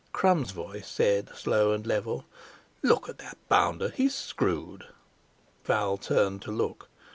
Crum's voice said slow and level: "Look at that bounder, he's screwed!" Val turned to look.